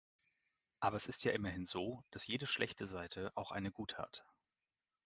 Aber es ist ja immerhin so, dass jede schlechte Seite auch eine gute hat.